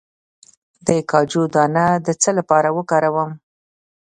د کاجو دانه د څه لپاره وکاروم؟